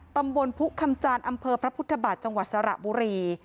ตำบลพุคำจานอำเภอพระพุทธบาทจังหวัดสระบุรี